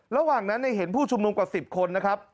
ระหว่างนั้นเห็นผู้ชุมนุมกว่า๑๐คนนะครับ